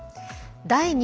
第２